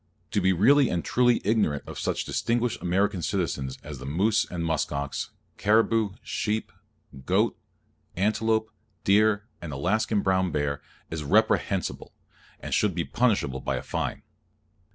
To be really and truly ignorant of such distinguished American citizens as the moose and musk ox, caribou, sheep, goat, antelope, deer and Alaskan brown bear, is reprehensible, and should be punishable by a fine.